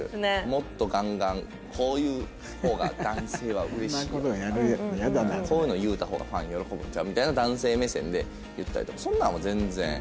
「もっとガンガンこういう方が男性は嬉しいよ」とか「そういうの言うた方がファン喜ぶんちゃう」みたいなの男性目線で言ったりとかそんなんは全然。